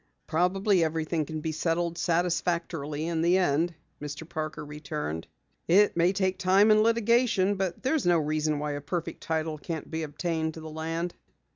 "Probably everything can be settled satisfactorily in the end," Mr. Parker returned. "It may take time and litigation, but there's no reason why a perfect title can't be obtained to the land."